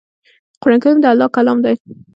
قرآن کریم د الله ج کلام دی